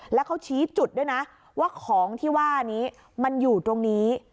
แล้วเขาชี้จุดด้วยนะว่าของที่ว่านี้มันอยู่ตรงนี้